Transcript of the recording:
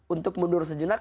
untuk mundur sejenak